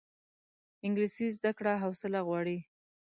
انګلیسي زده کړه حوصله غواړي